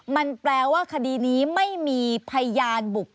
มันแปลว่าคดีนี้ไม่มีพยานบุคค